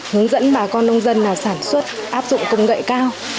hướng dẫn bà con nông dân sản xuất áp dụng công nghệ cao